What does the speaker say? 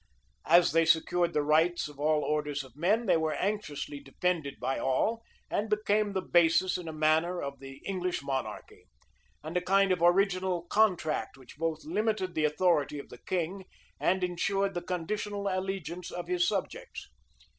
As they secured the rights of all orders of men, they were anxiously defended by all, and became the basis, in a manner, of the English monarchy, and a kind of original contract which both limited the authority of the king and insured the conditional allegiance of his subjects.